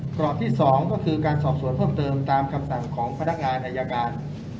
กรอบที่๒ก็คือการสอบสวนเพิ่มเติมตามคำสั่งของพนักงานอายการ